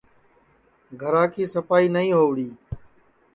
گھرا کی سپائی نائی ہوئی ری